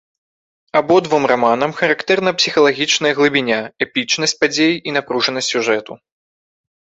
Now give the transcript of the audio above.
Абодвум раманам характэрна псіхалагічная глыбіня, эпічнасць падзей, і напружанасць сюжэту.